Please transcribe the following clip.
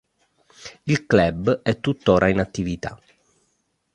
Il Club è tuttora in attività.